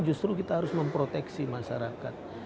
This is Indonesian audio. justru kita harus memproteksi masyarakat